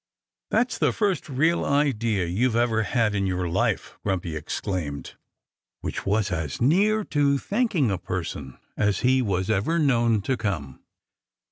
"That's the first real idea you ever had in your life!" Grumpy exclaimed which was as near to thanking a person as he was ever known to come.